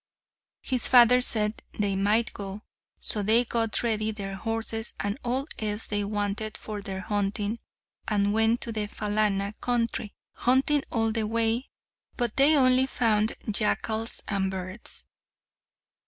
His father said they might go, so they got ready their horses and all else they wanted for their hunting, and went to the Phalana country, hunting all the way, but they only founds jackals and birds.